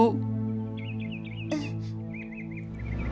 kamu harus percaya